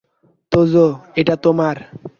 তোজো, এটা তোমার।